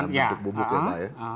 ini sudah dalam bentuk bubuk ya pak ya